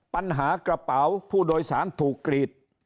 ปัญหากระเป๋าผู้โดยสารถูกกรีด